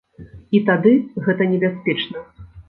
І тады гэта небяспечна.